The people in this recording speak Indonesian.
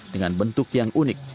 dengan bentuk yang unik